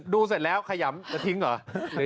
ดูเสร็จแล้วขยำแล้วทิ้งเหรอ